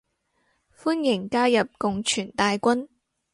歡迎加入共存大軍